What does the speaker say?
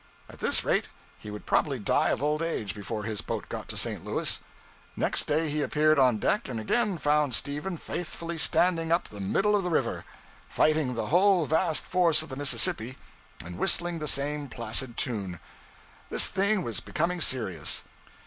At this rate, he would probably die of old age before his boat got to St. Louis. Next day he appeared on deck and again found Stephen faithfully standing up the middle of the river, fighting the whole vast force of the Mississippi, and whistling the same placid tune. This thing was becoming serious.